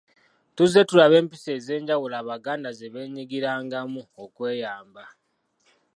Tuzze tulaba empisa ez'enjawulo Abaganda ze beenyigirangamu okweyamba.